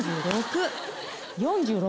４６。